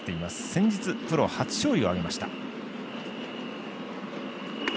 先日、プロ初勝利を挙げました。